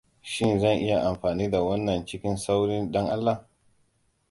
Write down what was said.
Shin zan iya amfani da wannan cikin sauri dan Allah?